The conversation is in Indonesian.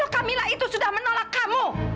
kamu sudah menolak kamu